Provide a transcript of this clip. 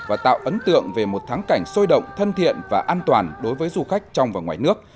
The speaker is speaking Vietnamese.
và tạo ấn tượng về một tháng cảnh sôi động thân thiện và an toàn đối với du khách trong và ngoài nước